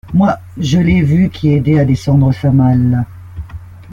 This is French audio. Moi, je l’ai vu qui aidait à descendre sa malle.